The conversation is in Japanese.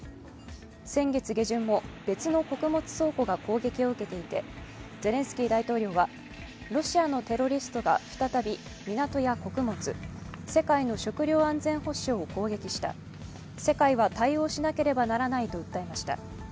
先月下旬も別の穀物倉庫が攻撃を受けていてゼレンスキー大統領は、ロシアのテロリストが再び港や穀物、世界の食料安全保障を攻撃した、世界は対応しなければならないと訴えました。